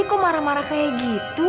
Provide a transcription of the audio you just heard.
kok marah marah kayak gitu